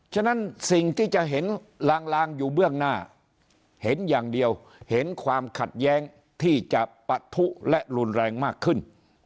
ฉะนั้นสิ่งที่จะเห็นลางอยู่เบื้องหน้าเห็นอย่างเดียวเห็นความขัดแย้งที่จะปะทุและรุนแรงมากขึ้น